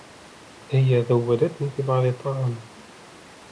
هي ذودتني ببعض الطعام.